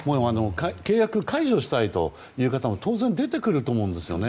契約解除したいという方も当然出てくると思います。